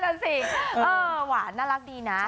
นั่นสิเออหวานน่ารักดีนะ